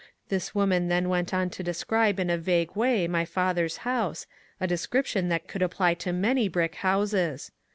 This woman then went on to describe in a vague way my father's house, a description that would apply to many brick houses.